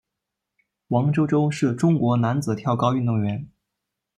王舟舟是中国男子跳高运动员。